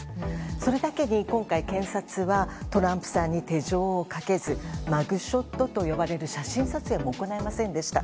それだけに今回検察は、トランプさんに手錠をかけずマグショットといわれる写真撮影も行いませんでした。